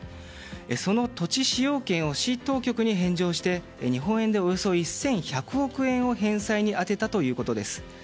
その土地使用権を市当局に返上して日本円でおよそ１１００億円を返済に充てたということです。